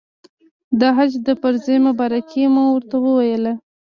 د حج د فرضې مبارکي مو ورته وویله.